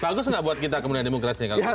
bagus nggak buat kita kemudian demokrasi kalau gitu